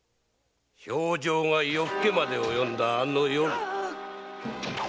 評定が夜更けまで及んだあの夜。